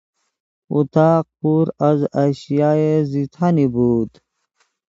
اتاق پر از اشیای زینتی بود.